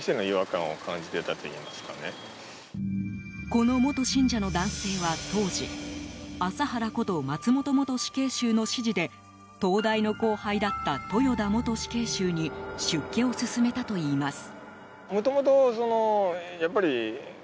この元信者の男性は、当時麻原こと松本元死刑囚の指示で東大の後輩だった豊田元死刑囚に出家を勧めたといいます。